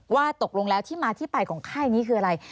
ว่าตกลงแล้วที่มาที่ไปของค่ายนี้คืออะไร